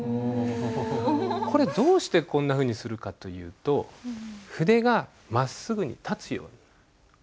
これどうしてこんなふうにするかというと筆がまっすぐに立つように。